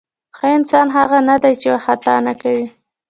ښه انسان هغه نه دی چې خطا نه کوي.